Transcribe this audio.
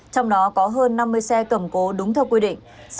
trong đó có hơn năm mươi xe cầm cố đúng theo quy định